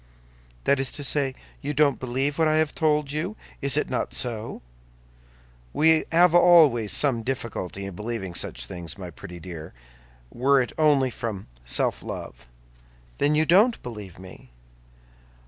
"That is to say, you don't believe what I have told you; is it not so?" "We have always some difficulty in believing such things, my pretty dear, were it only from self love." "Then you don't believe me?"